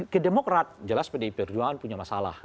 ke demokrat jelas pdi perjuangan punya masalah